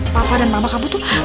papa dan mama kamu tuh